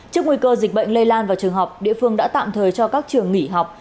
trước nguy cơ dịch bệnh lây lan vào trường học địa phương đã tạm thời cho các trường nghỉ học